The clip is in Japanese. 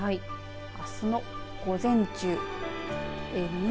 あすの午前中西